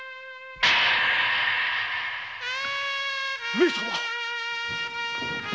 上様！